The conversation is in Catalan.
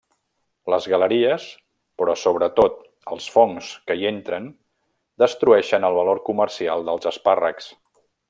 Les galeries, però sobretot els fongs que hi entren destrueixen el valor comercial dels espàrrecs.